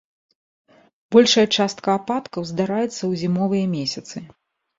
Большая частка ападкаў здараецца ў зімовыя месяцы.